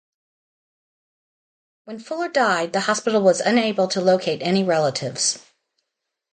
When Fuller died, the hospital was unable to locate any relatives.